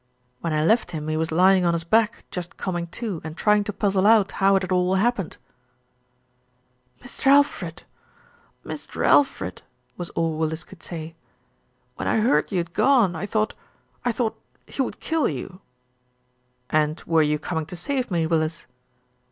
"When I left him he was lying on his back, just com ing to and trying to puzzle out how it had all hap pened." "Mr. Alfred! Mr. Alfred!" was all Willis could say. "When I heard you had gone, I thought, I thought he would kill you." "And were you coming to save me, Willis?"